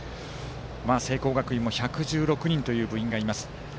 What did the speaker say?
聖光学院も１１６人という部員がいます。